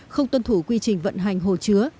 không tuân thủ quy trình vận hành hồ chứa